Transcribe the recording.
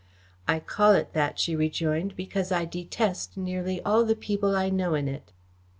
"I call it that," she rejoined, "because I detest nearly all the people I know in it."